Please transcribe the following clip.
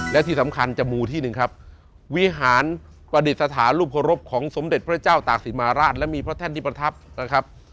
และที่สำคัญจะมูที่หนึ่งครับวิหารประดิษฐานรูปเคารพของสมเด็จพระเจ้าตากศิลมาราชและมีพระแท่นที่ประทับนะครับ